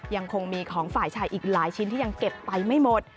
ยังคงมีของฝ่ายชายอีกหลายชิ้นที่ยังเก็บไปไม่หมด